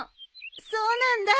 そうなんだ。